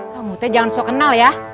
kamu jangan so kenal ya